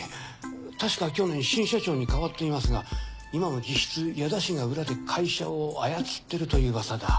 たしか去年新社長にかわっていますが今も実質矢田氏が裏で会社を操ってるという噂だ。